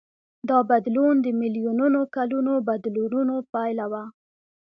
دا بدلون د میلیونونو کلونو بدلونونو پایله وه.